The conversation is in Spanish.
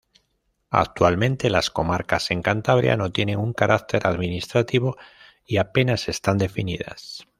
Actualmente las comarcas en Cantabria no tienen un carácter administrativo y apenas están definidas.